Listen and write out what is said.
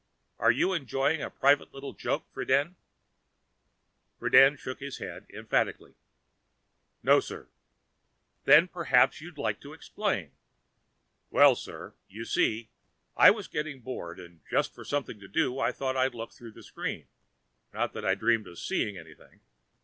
Are you enjoying a private little joke, Friden?" Mr. Friden shook his head emphatically. "No sir." "Then perhaps you'd like to explain." "Well, sir, you see, I was getting bored and just for something to do, I thought I'd look through the screen not that I dreamed of seeing anything.